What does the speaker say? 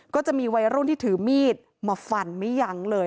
ก็จะมีวัยรุ่นที่ถือมีดมาฟันไม่ยั้งเลย